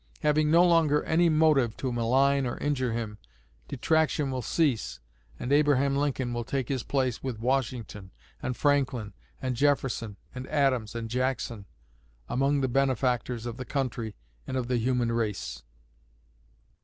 Having no longer any motive to malign or injure him, detraction will cease, and Abraham Lincoln will take his place with Washington and Franklin and Jefferson and Adams and Jackson among the benefactors of the country and of the human race."